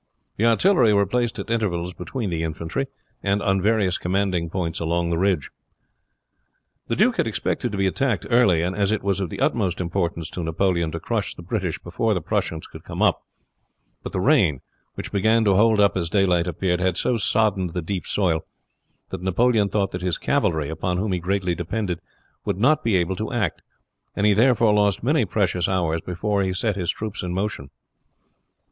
The artillery were placed at intervals between the infantry, and on various commanding points along the ridge. The duke had expected to be attacked early, as it was of the utmost importance to Napoleon to crush the British before the Prussians could come up; but the rain, which began to hold up as daylight appeared, had so soddened the deep soil that Napoleon thought that his cavalry, upon whom he greatly depended, would not be able to act, and he therefore lost many precious hours before he set his troops in motion.